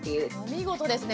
見事ですね。